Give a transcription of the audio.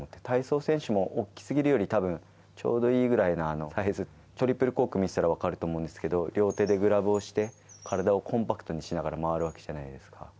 体操選手も大きすぎるより、たぶんちょうどいいぐらいのサイズ、トリプルコーク見てたら分かると思うんですけど、両手でグラブをして、体をコンパクトにしながら回るわけじゃないですか。